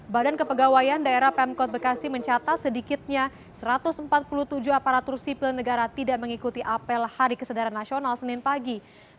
badan kepegawaian daerah pemkot bekasi mencatat sedikitnya satu ratus empat puluh tujuh aparatur sipil negara tidak mengikuti apel hari kesedaran nasional senin pagi